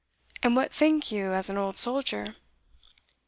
"And what think you, as an old soldier?"